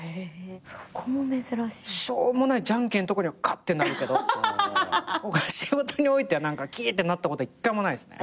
しょうもないじゃんけんとかにはカッてなるけど仕事においてはキ！ってなったことは１回もないですね。